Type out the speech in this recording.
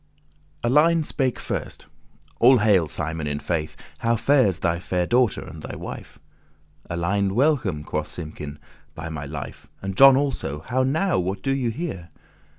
Alein spake first; "All hail, Simon, in faith, How fares thy faire daughter, and thy wife." "Alein, welcome," quoth Simkin, "by my life, And John also: how now, what do ye here?"